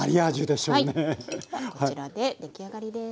ではこちらで出来上がりです。